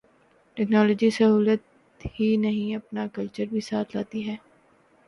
Technology سہولت ہی نہیں، اپنا کلچر بھی ساتھ لاتی ہے۔